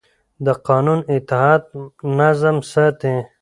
د قانون اطاعت نظم ساتي